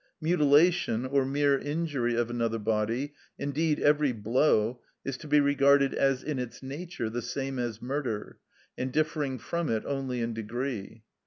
Mutilation, or mere injury of another body, indeed every blow, is to be regarded as in its nature the same as murder, and differing from it only in degree.